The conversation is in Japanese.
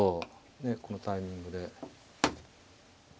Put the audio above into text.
ねえこのタイミングで。